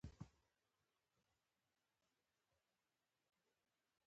هیلي سلاسي خپل هېواد ته راستون شو.